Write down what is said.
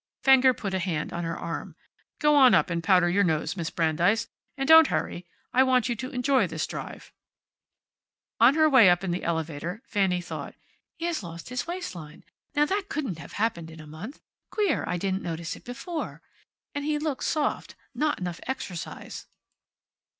Fenger put a hand on her arm. "Go on up and powder your nose, Miss Brandeis. And don't hurry. I want you to enjoy this drive." On her way up in the elevator Fanny thought, "He has lost his waistline. Now, that couldn't have happened in a month. Queer I didn't notice it before. And he looks soft. Not enough exercise."